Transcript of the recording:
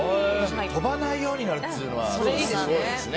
飛ばないようになるというのはすごいですね。